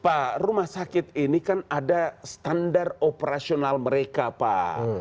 pak rumah sakit ini kan ada standar operasional mereka pak